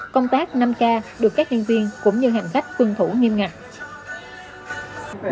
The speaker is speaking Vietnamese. công tác năm k được các nhân viên cũng như hành khách tuân thủ nghiêm ngặt